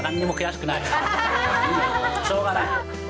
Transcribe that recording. しょうがない。